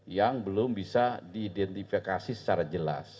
yang belum bisa diidentifikasi secara jelas